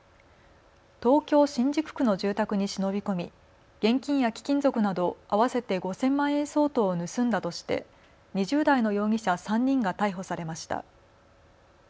東京新宿区の住宅に忍び込み現金や貴金属など合わせて５０００万円相当を盗んだとして２０代の容疑者３人が逮捕されました。